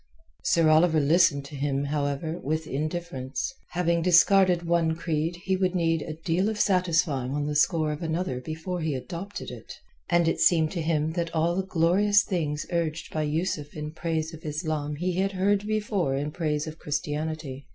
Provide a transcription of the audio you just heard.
Sir Oliver listened to him, however, with indifference. Having discarded one creed he would need a deal of satisfying on the score of another before he adopted it, and it seemed to him that all the glorious things urged by Yusuf in praise of Islam he had heard before in praise of Christianity.